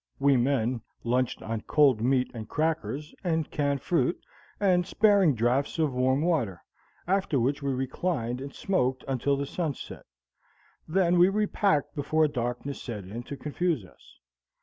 We men lunched on cold meat and crackers and canned fruit, and sparing draughts of warm water; after which we reclined and smoked until the sun set. Then we repacked before darkness set in to confuse us.